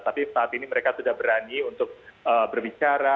tapi saat ini mereka sudah berani untuk berbicara